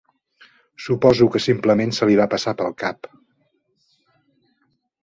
Suposo que simplement se li va passar pel cap.